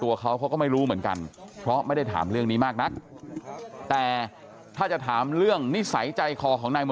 อะไรซักอย่างเนี่ยแต่นี่พวกเขาช่างใจเฉียบต์ได้